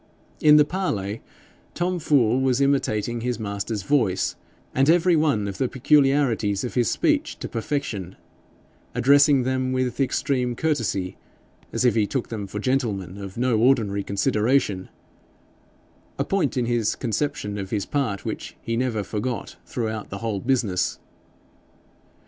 In the parley, Tom Fool was imitating his master's voice and every one of the peculiarities of his speech to perfection, addressing them with extreme courtesy, as if he took them for gentlemen of no ordinary consideration, a point in his conception of his part which he never forgot throughout the whole business.